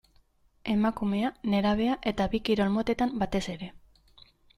Emakumea, nerabea eta bi kirol motetan batez ere.